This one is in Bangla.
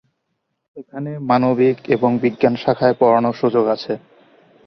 এখানে মানবিক এবং বিজ্ঞান শাখায় পড়ানোর সুযোগ আছে।